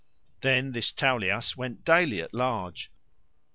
Then this Tauleas went daily at large.